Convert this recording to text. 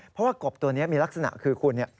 เพราะว่ากบตัวนี้มีลักษณะคือคุณ